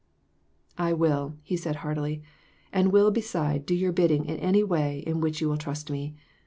"I will," he said, heartily; "and will, beside, do your bidding in any way in which you will trust me.